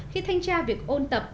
khi thanh tra việc ôn tập